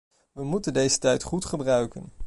We moeten deze tijd goed gebruiken.